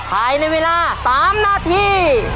ภายในเวลา๓นาที